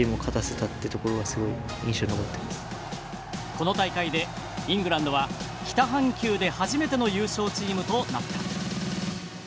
この大会でイングランドは北半球で初めての優勝チームとなった。